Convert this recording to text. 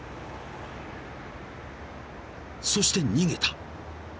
［そして逃げた］